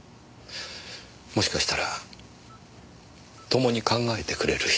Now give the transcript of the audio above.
もしかしたらともに考えてくれる人も。